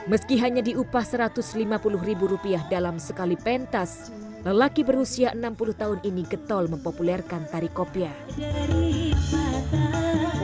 meski hanya diupah satu ratus lima puluh ribu rupiah dalam sekali pentas lelaki berusia enam puluh tahun ini getol mempopulerkan tari kopiah